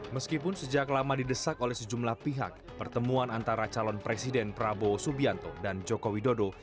meskipun sejak lama didesak oleh sejumlah pihak pertemuan antara calon presiden prabowo subianto dan jokowi dodo